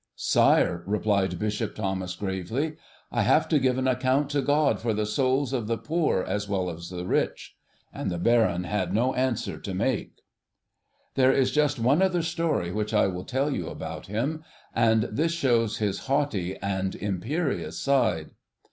'Sire,' replied Bishop Thomas gravely, 'I have to give an account to God for the souls of the poor as well as of the rich;' and the Baron had no answer to make. There is just one other story which I will tell you about him, and this shows his haughty and imperious side.